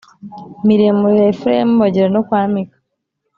miremire ya Efurayimu bagera no kwa Mika